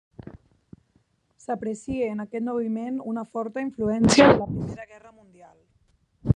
S'aprecia en aquest moviment una forta influència de la Primera Guerra Mundial.